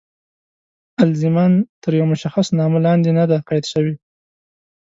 الزاماً تر یوه مشخص نامه لاندې نه دي قید شوي.